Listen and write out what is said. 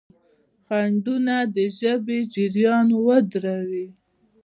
خنډونه د ژبې جریان ودروي.